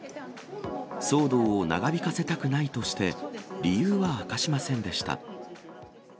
騒動を長引かせたくないとして、理由は明かしませんでした。